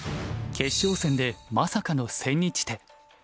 決勝戦でまさかの千日手。